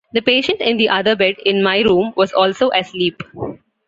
The patient in the other bed in my room was also asleep.